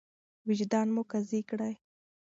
وجدان مو قاضي کړئ.